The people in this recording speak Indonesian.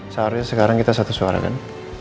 seharusnya sekarang kita satu suara kan